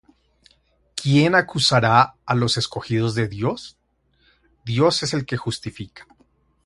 ¿Quién acusará á los escogidos de Dios? Dios es el que justifica.